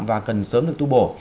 và cần sớm được tu bổ